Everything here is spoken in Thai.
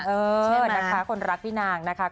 เออนะคะคนรักพี่นางนะคะ